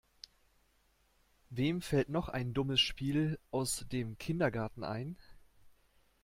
Wem fällt noch ein dummes Spiel aus dem Kindergarten ein?